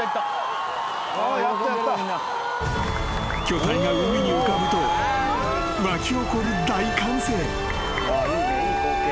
［巨体が海に浮かぶと沸き起こる大歓声］